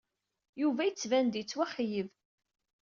Yuba yettban-d yettwaxeyyeb.